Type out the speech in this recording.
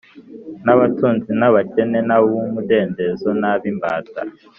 n’abatunzi n’abakene, n’ab’umudendezo n’ab’imbata,